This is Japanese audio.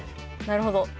なるほど。